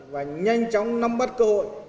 và nhanh chóng nắm bắt cơ hội